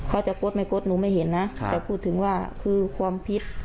เขาจะกดไม่กดหนูไม่เห็นนะแต่พูดถึงว่าคือความผิด